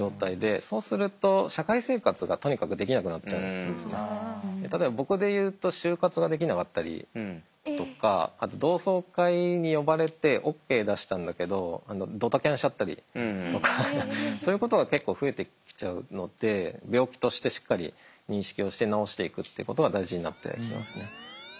そうすると例えば僕で言うと就活ができなかったりとかあと同窓会に呼ばれてＯＫ出したんだけどドタキャンしちゃったりとかそういうことが結構増えてきちゃうので病気としてしっかり認識をして治していくっていうことが大事になってきますね。